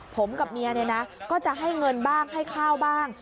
ผมกับเมียเนี่ยนะก็จะให้เงินบ้างให้ข้าวบ้าง